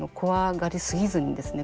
がりすぎずにですね